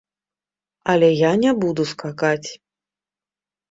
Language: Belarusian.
Але я не буду скакаць.